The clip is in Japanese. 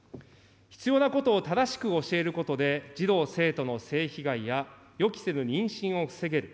必要なことを正しく教えることで、児童・生徒の性被害や予期せぬ妊娠を防げる。